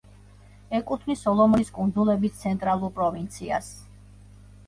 ეკუთვნის სოლომონის კუნძულების ცენტრალურ პროვინციას.